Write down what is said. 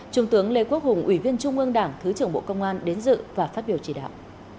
trung tướng lê quốc hùng ủy viên trung ương đảng thứ trưởng bộ công an đến dự và phát biểu chỉ đạo